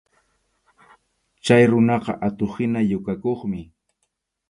Chay runaqa atuq-hina yukakuqmi.